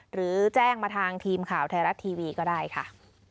หรือแจ้งมาทางทีมข่าวไทยรัฐทีวีก็ได้ค่ะ